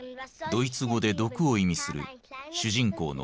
ドイツ語で「毒」を意味する主人公のトキシー。